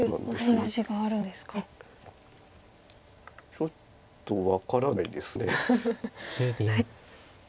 ちょっと分からないです。